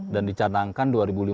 dan dicanangkan dua ribu lima belas